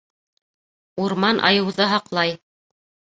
Урман айыуҙы һаҡлай.